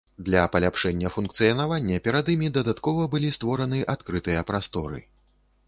Для паляпшэння функцыянавання перад імі дадаткова былі створаны адкрытыя прасторы.